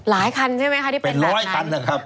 หลายคันใช่ไหมคะที่เป็นหลักนั้นเป็นร้อยคันนะครับ